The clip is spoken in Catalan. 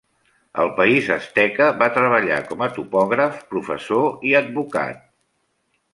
Al país asteca va treballar com a topògraf, professor i advocat.